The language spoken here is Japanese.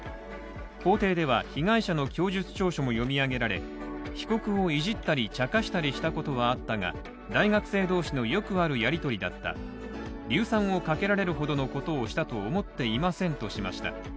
法廷では被害者の供述調書も読み上げられ被告をいじったりちゃかしたりすることはあったが、大学生同士のよくあるやり取りだった硫酸をかけられるほどのことをしたと思っていませんとしました。